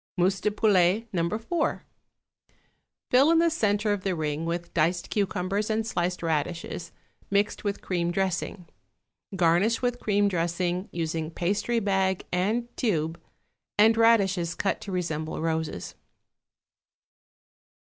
=Mousse de Poulet, No. 4.= Fill in the centre of the ring with diced cucumbers and sliced radishes, mixed with cream dressing. Garnish with cream dressing, using pastry bag and tube, and radishes cut to resemble roses.